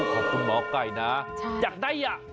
ขอบคุณหมอไก่นะอยากได้อ่ะ